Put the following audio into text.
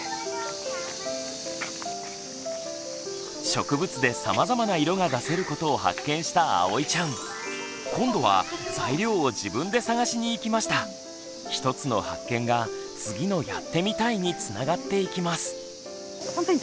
植物でさまざまな色が出せることを発見したあおいちゃん。今度は一つの発見が次の「やってみたい」につながっていきます。